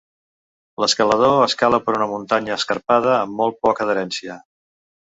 L'escalador escala per una muntanya escarpada amb molt poca adherència.